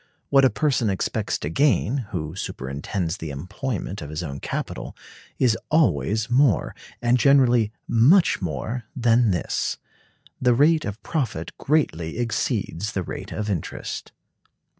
What a person expects to gain, who superintends the employment of his own capital, is always more, and generally much more, than this. The rate of profit greatly exceeds the rate of interest.